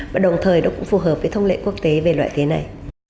và đồng thời nó cũng phù hợp với thông lệ quốc tế về loại thế này